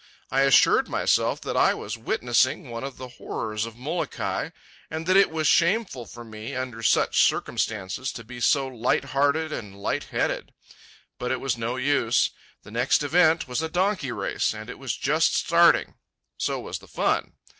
I assured myself that I was witnessing one of the horrors of Molokai, and that it was shameful for me, under such circumstances, to be so light hearted and light headed. But it was no use. The next event was a donkey race, and it was just starting; so was the fun.